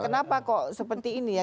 kenapa kok seperti ini ya